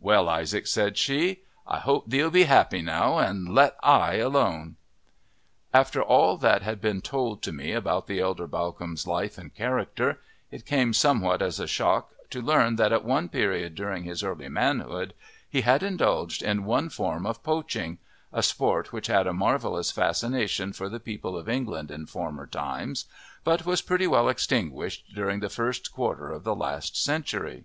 "Well, Isaac," said she, "I hope thee'll be happy now and let I alone." After all that had been told to me about the elder Bawcombe's life and character, it came somewhat as a shock to learn that at one period during his early manhood he had indulged in one form of poaching a sport which had a marvellous fascination for the people of England in former times, but was pretty well extinguished during the first quarter of the last century.